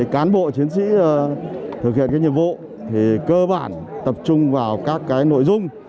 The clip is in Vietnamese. cán bộ chiến sĩ thực hiện các nhiệm vụ cơ bản tập trung vào các nội dung